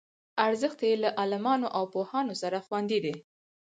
ارزښت یې له عالمانو او پوهانو سره خوندي دی.